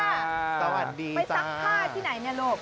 ไปซักผ้าที่ไหนเนี่ยโลก